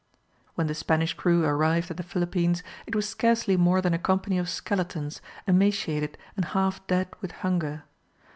When the Spanish crew arrived at the Philippines, it was scarcely more than a company of skeletons, emaciated and half dead with hunger.